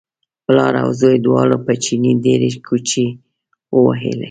پلار او زوی دواړو په چیني ډېرې کوچې وویلې.